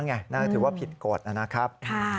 น่าจะถือว่าผิดกฎนะครับ